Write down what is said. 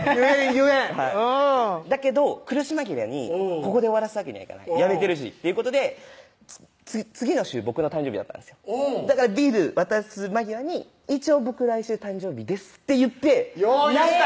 言えんはいだけど苦し紛れにここで終わらすわけにはいかない辞めてるしっていうことで次の週僕の誕生日だったんですよだからビール渡す間際に「一応僕来週誕生日です」って言ってよう言った！